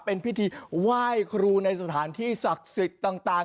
เป็นพิธีไหว้ครูในสถานที่ศักดิ์สิทธิ์ต่าง